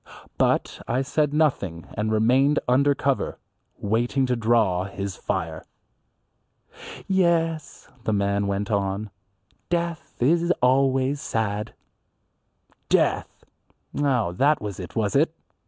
But I said nothing and remained under cover, waiting to draw his fire. "Yes," the man went on, "death is always sad." Death! Oh, that was it, was it?